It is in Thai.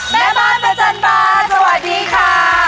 แม่บ้านประจันบานสวัสดีค่ะ